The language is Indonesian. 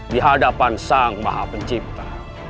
di hadapan sang maha pencipta